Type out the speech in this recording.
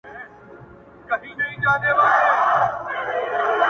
تر چړې ئې لاستی دروند سو.